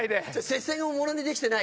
接戦をものにできてない？